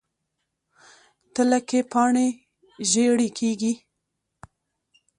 تله کې پاڼې ژیړي کیږي.